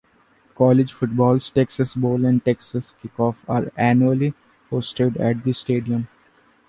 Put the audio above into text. College football's Texas Bowl and Texas Kickoff are annually hosted at the stadium.